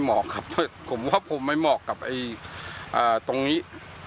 ก็เป็นใจล้าออกที่ทศผมเองอะผมไม่เหมาะกับตรงนี้